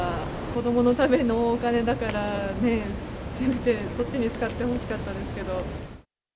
子どものためのお金だからね、せめてそっちに使ってほしかったですけど。